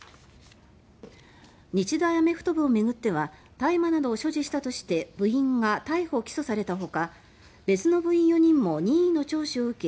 日大アメフト部を巡っては大麻などを所持したとして部員が逮捕・起訴されたほか別の部員４人も任意の聴取を受け